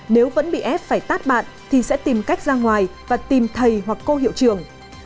nếu vẫn bị ép phải tát bạn thì sẽ tìm cách ra ngoài và tìm thầy hoặc cô hiệu trường